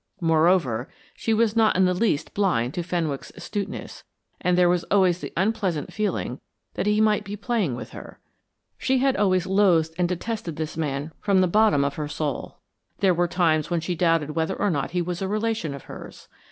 Moreover, she was not in the least blind to Fenwick's astuteness, and there was always the unpleasant feeling that he might be playing with her. She had always loathed and detested this man from the bottom of her soul; there were times when she doubted whether or not he was a relation of hers.